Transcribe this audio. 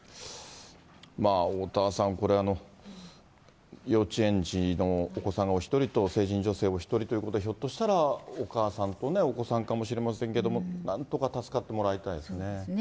おおたわさん、これ、幼稚園児のお子さんがお１人と成人女性お１人ということで、ひょっとしたらお母さんとお子さんかもしれませんけれども、なんそうですね。